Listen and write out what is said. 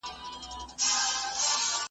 چي د مرګ دام ته لوېدلې وه بېځایه `